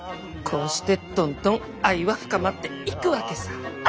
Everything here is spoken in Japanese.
こうしてどんどん愛は深まっていくわけさぁ。